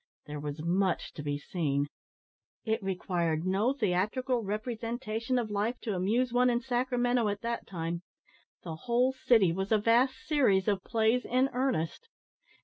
There was much to be seen. It required no theatrical representation of life to amuse one in Sacramento at that time. The whole city was a vast series of plays in earnest.